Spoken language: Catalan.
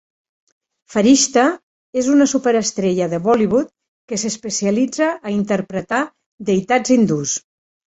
Farishta és una superestrella de Bollywood que s'especialitza a interpretar deïtats hindús.